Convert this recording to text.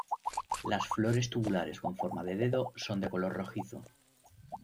Las flores tubulares con forma de dedo son de color rojizo.